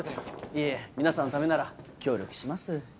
いえ皆さんのためなら協力します。